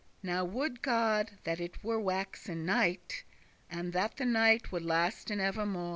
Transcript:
Now woulde God that it were waxen night, And that the night would lasten evermo'.